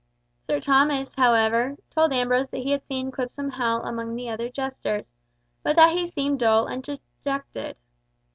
Sir Thomas, however, told Ambrose that he had seen Quipsome Hal among the other jesters, but that he seemed dull and dejected.